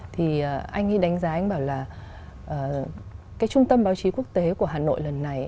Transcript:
thì anh ấy đánh giá anh bảo là cái trung tâm báo chí quốc tế của hà nội lần này